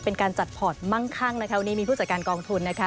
เป็นการจัดพอร์ตมั่งคั่งนะคะวันนี้มีผู้จัดการกองทุนนะคะ